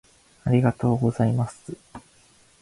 ありがとうございますつ